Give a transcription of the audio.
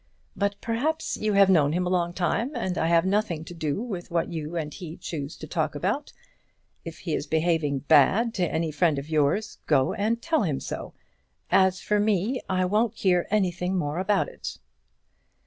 But perhaps you have known him a long time, and I have nothing to do with what you and he choose to talk about. If he is behaving bad to any friend of yours, go and tell him so. As for me, I won't hear anything more about it."